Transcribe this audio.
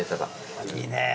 いいねぇ。